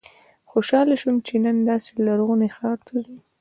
خوشاله شوم چې نن داسې لرغوني ښار ته ځو.